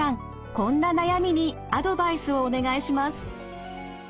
こんな悩みにアドバイスをお願いします。